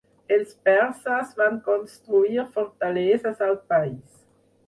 Els perses van construir fortaleses al país.